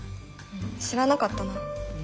知らなかったな。